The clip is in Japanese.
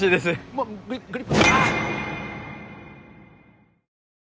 もう少しグリップ